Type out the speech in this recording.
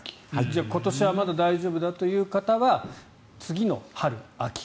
じゃあ今年はまだ大丈夫という方は次の春、秋。